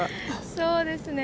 ◆そうですね。